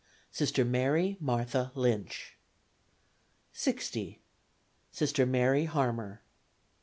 Sister Mary Martha Lynch. 60. Sister Mary Harmer.